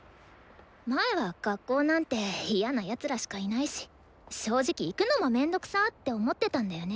前は学校なんて嫌な奴らしかいないし正直行くのも面倒くさって思ってたんだよね。